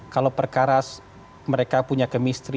kalau perkara mereka punya kemistri